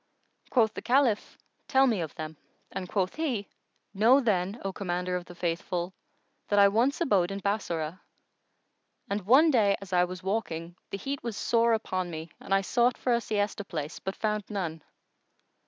Quoth the Caliph, "Tell me of them," and quoth he, "Know then, O Commander of the Faithful, that I once abode in Bassorah, and one day, as I was walking, the heat was sore upon me and I sought for a siesta place but found none.